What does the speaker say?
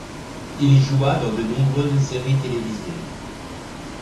Il joua dans de nombreuses séries télévisées.